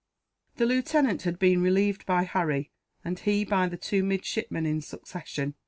The lieutenant had been relieved by Harry, and he by the two midshipmen, in succession.